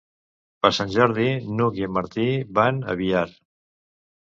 Per Sant Jordi n'Hug i en Martí van a Biar.